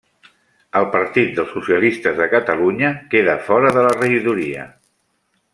El Partit dels Socialistes de Catalunya queda fora de la regidoria.